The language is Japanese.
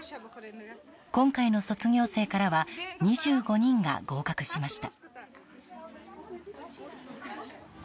今回の卒業生からは２５人が合格しました。